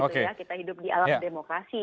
kita hidup di alam demokrasi